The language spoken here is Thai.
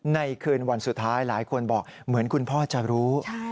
คืนวันสุดท้ายหลายคนบอกเหมือนคุณพ่อจะรู้